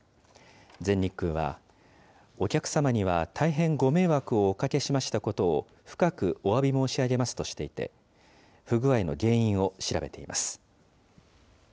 全日空は、お客様には大変ご迷惑をおかけしましたことを深くおわび申し上げますとしていて、不具合の原因を調べています。